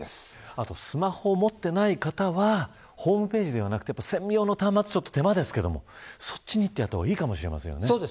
あと、スマホを持っていない方はホームページではなくて専用の端末、手間ですけれどもそっちでやった方がいいかもしれませんね。